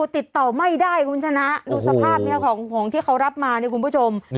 ติดต่อไม่ได้คุณชนะดูสภาพนี้ของที่เขารับมาเนี่ยคุณผู้ชม